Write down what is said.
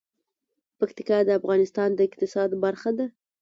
پکتیکا د افغانستان د اقتصاد برخه ده.